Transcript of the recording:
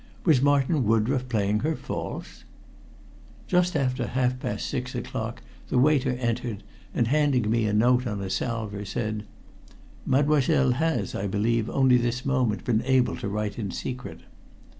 Was Martin Woodroffe playing her false? Just after half past six o'clock the waiter entered, and handing me a note on a salver, said "Mademoiselle has, I believe, only this moment been able to write in secret."